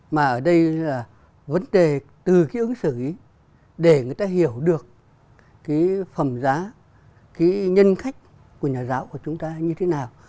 mà ở đây là vấn đề từ cái ứng xử ấy để người ta hiểu được cái phẩm giá cái nhân cách của nhà giáo của chúng ta như thế nào